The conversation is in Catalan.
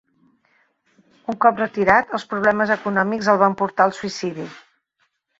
Un cop retirat, els problemes econòmics el van portar al suïcidi.